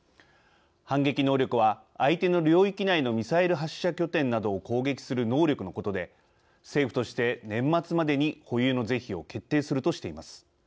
反撃能力は相手の領域内のミサイル発射拠点などを攻撃する能力のことで政府として年末までに保有の是非を決定するとしています。